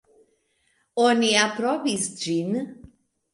Oni aprobis ĝin.